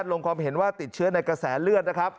ลงความเห็นว่าติดเชื้อในกระแสเลือดนะครับ